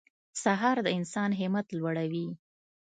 سهار د انسان همت لوړوي.